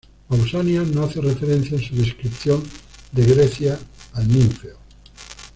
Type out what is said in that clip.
Pausanias no hace referencia en su "Descripción de Grecia" al Ninfeo.